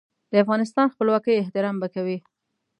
د افغانستان خپلواکۍ احترام به کوي.